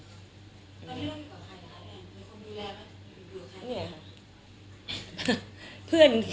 แล้วเรื่องกับใครนะ